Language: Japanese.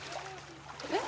えっ？